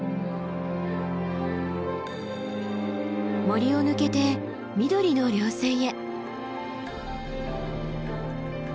森を抜けて緑の稜線へ。